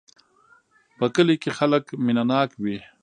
په کلي کې خلک مینه ناک وی